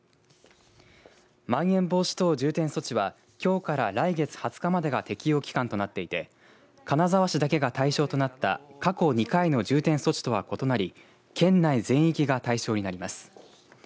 まん延防止等重点措置はきょうから来月２０日までが適用期間となっていて金沢市だけが対象となった過去２回の重点措置とは異なり県内全域が対象になります。